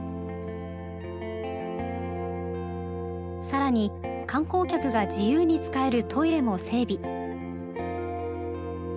更に観光客が自由に使えるトイレも整備。